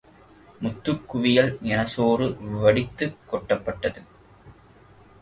முத்துக்குவியல் எனச்சோறு வடித்துக் கொட்டப்பட்டது.